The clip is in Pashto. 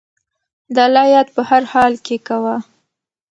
د الله یاد په هر حال کې کوه.